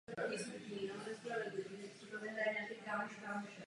Královské zbraně smí používat pouze prvorozený ochránce Krystalu.